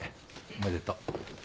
おめでとう。